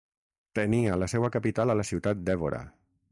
Tenia la seua capital a la ciutat d'Évora.